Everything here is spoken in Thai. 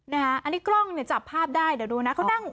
นะฮะอันนี้กล้องเนี่ยจับภาพได้เดี๋ยวดูนะ